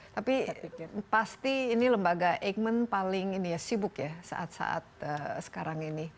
tapi pasti ini lembaga eijkman paling sibuk saat saat sekarang ini